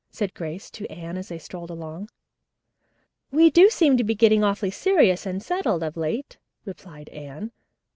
said Grace to Anne as they strolled along. "We do seem to be getting awfully serious and settled of late," replied Anne.